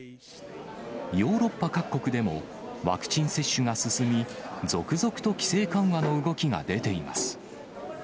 ヨーロッパ各国でも、ワクチン接種が進み、続々と規制緩和の動きが出ています。